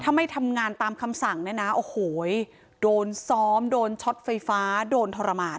ถ้าไม่ทำงานตามคำสั่งเนี่ยนะโอ้โหโดนซ้อมโดนช็อตไฟฟ้าโดนทรมาน